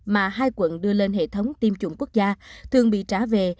mà hai quận đưa lên hệ thống tiêm chủng quốc gia thường bị trả về